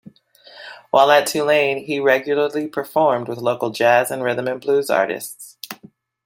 While at Tulane, he regularly performed with local jazz and rhythm and blues artists.